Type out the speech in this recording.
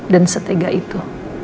dan setegak itu